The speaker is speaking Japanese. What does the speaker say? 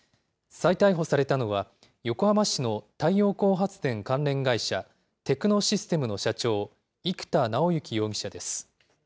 再逮捕されたのは、横浜市の太陽光発電関連会社、テクノシステムの社長、生田尚之容疑者です。